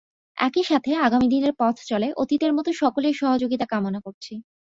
একই সাথে আগামী দিনের পথচলায় অতীতের মতো সকলের সহযোগিতা কামনা করছি।